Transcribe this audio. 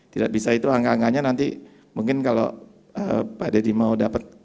tidak bisa itu angka angkanya nanti mungkin kalau pak deddy mau dapat